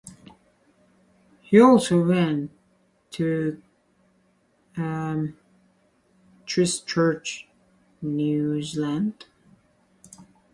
He also went to Christchurch, New Zealand.